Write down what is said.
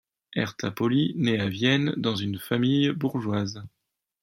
Hertha Pauli naît à Vienne dans une famille bourgeoise.